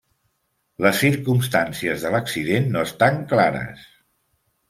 Les circumstàncies de l'accident no estan clares.